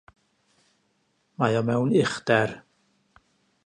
Mae o mewn uchder.